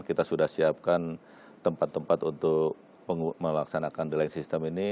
kita sudah siapkan tempat tempat untuk melaksanakan delay system ini